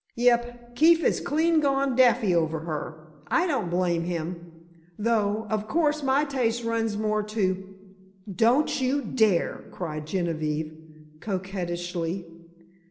"Yep, Keefe is clean gone daffy over her. I don't blame him—though, of course my taste runs more to——" "Don't you dare!" cried Genevieve, coquettishly.